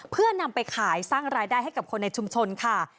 เพื่อนำไปขายสร้างรายได้ให้กับคนในชุมชนค่ะ